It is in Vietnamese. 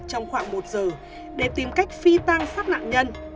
trong khoảng một giờ để tìm cách phi tang sát nạn nhân